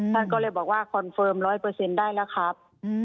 ท่านก็เลยบอกว่าคอนเฟิร์มร้อยเปอร์เซ็นต์ได้แล้วครับ